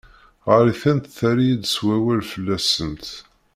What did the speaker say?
Ɣer-itent terreḍ-iyi-d s wawal fell-asent.